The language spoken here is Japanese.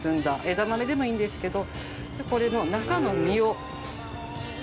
枝豆でもいいんですけどこれの中の実を。